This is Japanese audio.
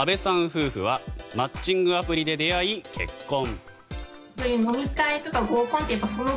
夫婦はマッチングアプリで出会い結婚。